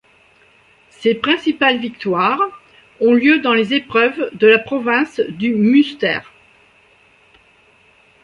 Ses principales victoire ont lieu dans les épreuves de la province du Muster.